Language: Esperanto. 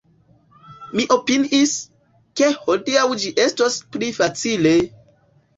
Mi opiniis, ke hodiaŭ ĝi estos pli facile!